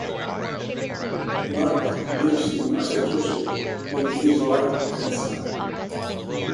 Mark lives in Massachusetts with his wife and son.